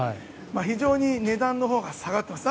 非常に値段のほうが下がっています。